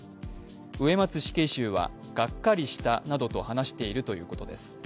植松死刑囚はがっかりしたなどと話しているということです。